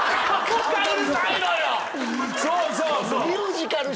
そうそうそう。